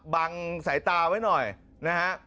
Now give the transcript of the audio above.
สายตาไว้หน่อยนะฮะ